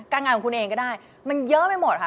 งานของคุณเองก็ได้มันเยอะไปหมดค่ะ